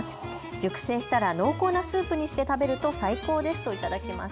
熟成したら濃厚なスープにして食べると最高ですと頂きました。